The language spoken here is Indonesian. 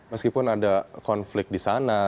meskipun ada konflik di sana